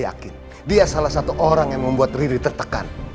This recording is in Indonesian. maksudnya riri itu orang yang buat riri tertekan